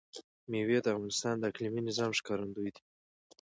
مېوې د افغانستان د اقلیمي نظام ښکارندوی ده.